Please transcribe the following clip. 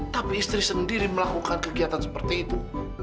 tapi istri sendiri melakukan kegiatan seperti itu